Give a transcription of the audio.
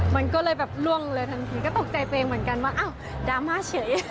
มันก็เลยแบบล่วงเลยทันทีก็ตกใจตัวเองเหมือนกันว่าอ้าวดราม่าเฉย